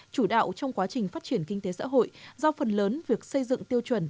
chủ đạo trong quá trình phát triển kinh tế xã hội do phần lớn việc xây dựng tiêu chuẩn